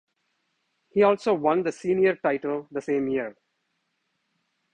He also won the senior title the same year.